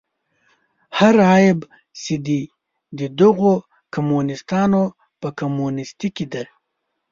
هر عیب چې دی د دغو کمونیستانو په کمونیستي کې دی.